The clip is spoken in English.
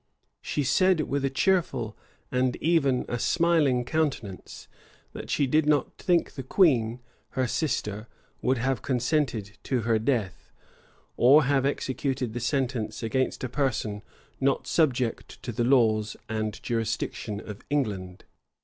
She said with a cheerful, and even a smiling countenance, that she did not think the queen, her sister, would have consented to her death, or have executed the sentence against a person not subject to the laws and jurisdiction of England.